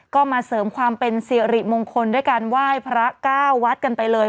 ก็มาเสริมความเป็นสิริมงคลด้วยการไหว้พระเก้าวัดกันไปเลย